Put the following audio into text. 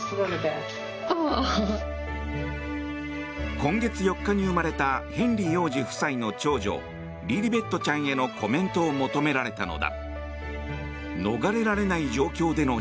今月４日に生まれたヘンリー王子夫妻の長女リリベットちゃんへのコメントを求められたのだ。